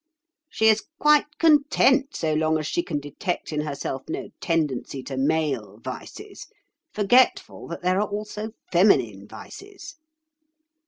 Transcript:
She is quite content so long as she can detect in herself no tendency to male vices, forgetful that there are also feminine vices.